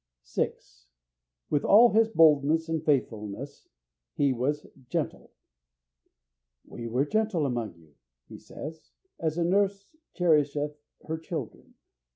6. With all his boldness and faithfulness he was gentle. "We were gentle among you," he says, "as a nurse cherisheth her children."